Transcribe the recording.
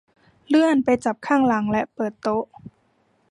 เลื่อนไปจับข้างหลังและเปิดโต๊ะ